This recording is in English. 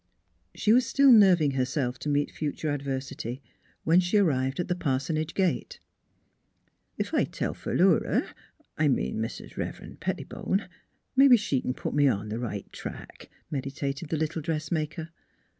She was still nerving herself to meet future adversity when she arrived at the parsonage gate. "Ef I tell Philura I mean Mis' Rev'ren' Pettibone mebbe she c'n put me on th' right track," meditated the little dressmaker.